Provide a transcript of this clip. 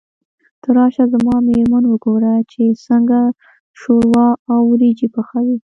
ته راشه زما مېرمن وګوره چې څنګه شوروا او وريجې پخوي.